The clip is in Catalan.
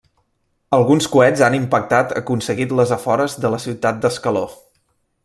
Alguns coets han impactat aconseguit les afores de la ciutat d'Ascaló.